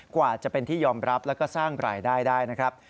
กว่าจะเป็นที่ยอมรับแล้วก็สร้างรายได้ได้นะครับ